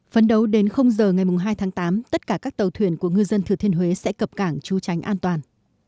phấn đấu đến giờ ngày hai tháng tám tất cả các tàu thuyền của ngư dân thừa thiên huế sẽ cập cảng trú tránh an toàn